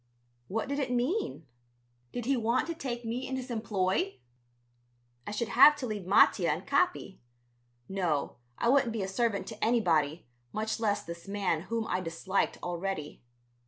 What did it mean? Did he want to take me in his employ? I should have to leave Mattia and Capi. No, I wouldn't be a servant to anybody, much less this man whom I disliked already.